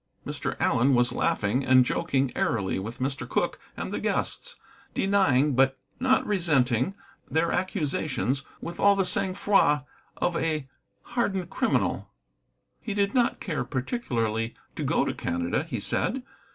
Mr. Allen was laughing and joking airily with Mr. Cooke and the guests, denying, but not resenting, their accusations with all the sang froid of a hardened criminal. He did not care particularly to go to Canada, he said.